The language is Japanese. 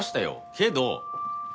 けど。